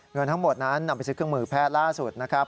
เงินทั้งหมดนั้นนำไปซื้อเครื่องมือแพทย์ล่าสุดนะครับ